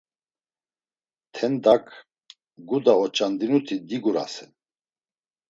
Tendak guda oç̌andinuti digurasen.